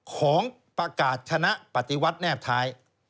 ของประกาศชนะปฏิวัติแนบท้าย